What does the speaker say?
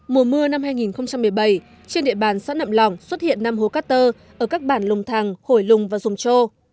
mùa mưa năm hai nghìn một mươi bảy trên địa bàn xã nậm lòng xuất hiện năm hố cát tơ ở các bản lùng thàng hổi lùng và dùng châu